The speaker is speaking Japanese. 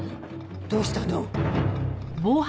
どうしたの？